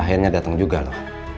akhirnya dateng juga lo